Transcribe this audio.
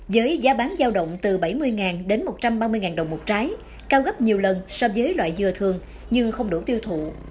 với giá bán giao động từ bảy mươi đến một trăm ba mươi đồng một trái cao gấp nhiều lần so với loại dừa thường nhưng không đủ tiêu thụ